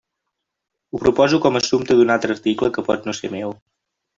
Ho proposo com a assumpte d'un altre article que pot no ser meu.